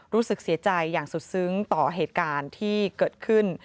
รู้สึกเสียใจอย่างสุดซึ้งต่อเหตุการณ์ที่เกิดขึ้น